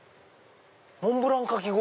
「モンブランかき氷」。